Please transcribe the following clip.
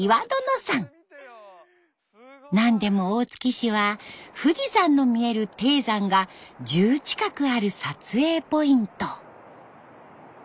何でも大月市は富士山の見える低山が１０近くある撮影ポイント。